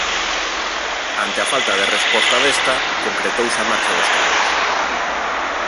Ante a falta de resposta desta, concretouse a marcha dos cargos.